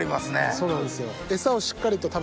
そうなんですよ。